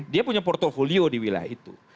dia punya portfolio di wilayah itu